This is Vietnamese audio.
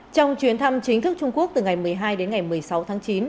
trong chuyến thăm chính thức trung quốc từ ngày một mươi hai đến ngày một mươi sáu tháng chín